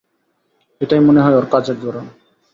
এটাই মনে হয় ওর কাজের ধরন।